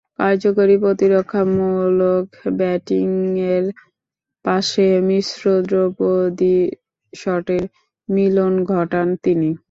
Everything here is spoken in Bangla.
কার্যকরী প্রতিরক্ষামূলক ব্যাটিংয়ের পাশে মিশ্র ধ্রুপদী শটের মিলন ঘটান তিনি।